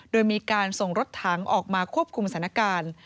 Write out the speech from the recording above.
โดยมีการส่งรถถังออกมาควบคุมสถานการณ์